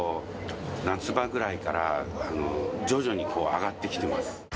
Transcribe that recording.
夏場ぐらいから、徐々にこう、上がってきてます。